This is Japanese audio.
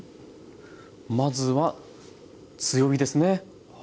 まずは強火ですね。